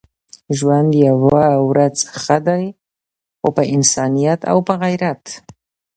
ژوند يوه ورځ ښه دی خو په انسانيت او په غيرت.